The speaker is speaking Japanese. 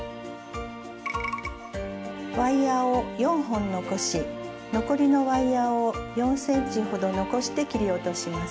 ワイヤーを４本残し残りのワイヤーを４ｃｍほど残して切り落とします。